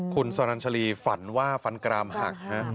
คุณสรรชลีฝันว่าฟันกรามหัก